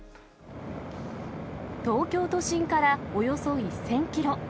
東京都心からおよそ１０００キロ。